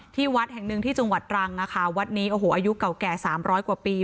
วัดแห่งหนึ่งที่จังหวัดตรังนะคะวัดนี้โอ้โหอายุเก่าแก่๓๐๐กว่าปี